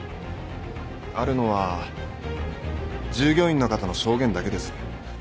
あるのは従業員の方の証言だけです。